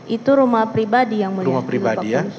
itu rumah pribadi yang mulia